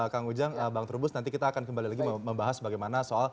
kang ujang bang terubus nanti kita akan kembali lagi membahas bagaimana soal